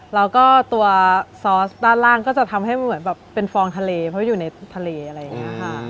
แล้วก็ตัวซอสด้านล่างก็จะทำให้มันเหมือนแบบเป็นฟองทะเลเพราะอยู่ในทะเลอะไรอย่างนี้ค่ะ